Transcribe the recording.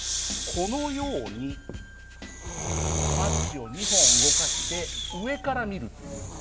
このようにマッチを２本動かして上から見る。